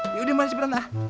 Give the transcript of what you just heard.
yaudah mari cepetan ah